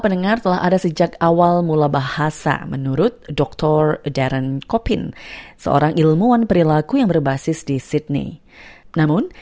jadi itu jelas menyebabkan masalah yang kita hadapi dengan berita palsu dan penyelesaian